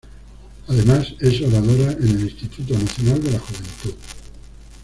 Además, es oradora en el Instituto Nacional de la Juventud.